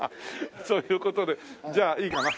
そういう事でじゃあいいかな。